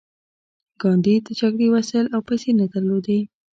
ګاندي د جګړې وسایل او پیسې نه درلودې